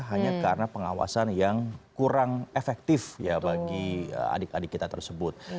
hanya karena pengawasan yang kurang efektif ya bagi adik adik kita tersebut